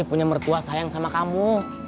punya mertua sayang sama kamu